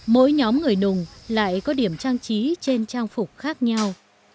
mỗi nhóm người nùng lại có điểm trang trí trên trang phục khác nhau